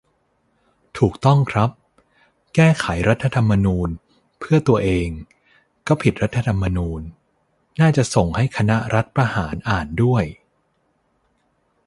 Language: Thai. ถูกต้องครับ "แก้ไขรัฐธรรมนูญเพื่อตัวเองก็ผิดรัฐธรรมนูญ" น่าจะส่งให้คณะรัฐประหารอ่านด้วย